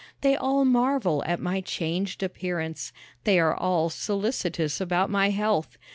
They all marvel at my changed appearance. They are all solicitous about my health.